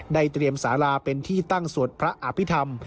เตรียมสาราเป็นที่ตั้งสวดพระอภิษฐรรม